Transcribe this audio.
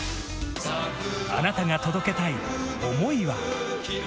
あなたが届けたい想いは？